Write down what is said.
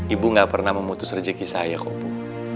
ibu gak pernah memutus rezeki saya kok bu